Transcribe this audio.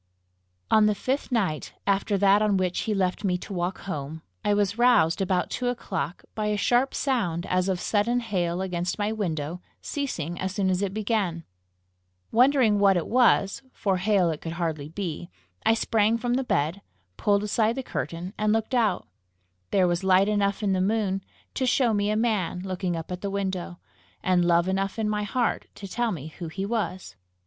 On the fifth night after that on which he left me to walk home, I was roused, about two o'clock, by a sharp sound as of sudden hail against my window, ceasing as soon as it began. Wondering what it was, for hail it could hardly be, I sprang from the bed, pulled aside the curtain, and looked out. There was light enough in the moon to show me a man looking up at the window, and love enough in my heart to tell me who he was.